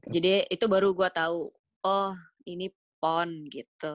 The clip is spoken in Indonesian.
jadi itu baru gue tau oh ini pon gitu